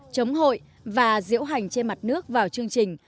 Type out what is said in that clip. chống hội và diễu hành trên mặt nước vào chương trình